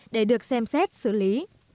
để được xem xét xử lý